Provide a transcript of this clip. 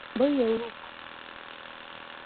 Быйыл уҡ.